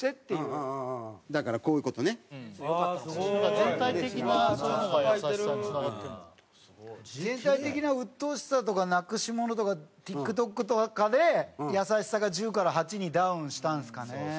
全体的な「うっとうしさ」とか「なくしもの」とか「ＴｉｋＴｏｋ」とかで「やさしさ」が１０から８にダウンしたんですかね。